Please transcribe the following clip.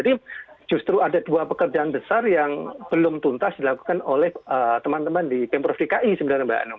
jadi justru ada dua pekerjaan besar yang belum tuntas dilakukan oleh teman teman di pemprov dki sebenarnya mbak anu